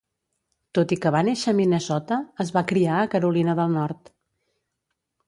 Tot i que va néixer a Minnesota, es va criar a Carolina del Nord.